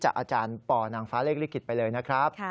อาจารย์ปนางฟ้าเลขลิขิตไปเลยนะครับ